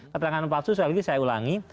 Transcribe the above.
keterangan palsu sekali lagi saya ulangi